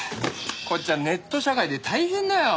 こっちはネット社会で大変だよ。